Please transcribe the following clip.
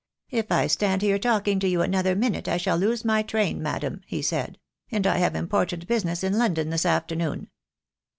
'If I stand here talking to you another minute I shall lose my train, madam,' he said, ' and I have important business in London this afternoon.'